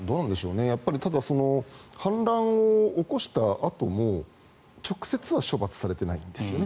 ただ反乱を起こしたあとも直接は処罰されてないんですよね。